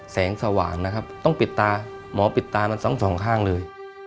แสงสว่างนะครับต้องปิดตาหมอปิดตามันทั้งสองข้างเลย